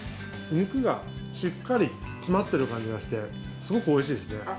肉がしっかり詰まってる感じがしてすごく美味しいですね。